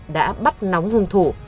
đã bắt nóng hung thủ